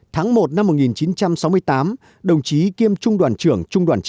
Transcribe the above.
tháng một năm một nghìn chín trăm sáu mươi tám đồng chí kiêm trung đoàn trưởng trung đoàn chín